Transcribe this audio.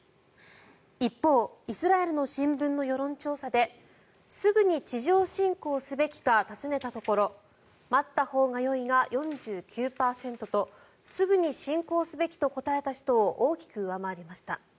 一方、イスラエルの新聞の世論調査ですぐに地上侵攻すべきか尋ねたところ待ったほうがよいが４９％とすぐに侵攻すべきと答えた人を大きく上回りました。